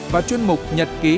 và chuyên mục lừng lẫy điện biên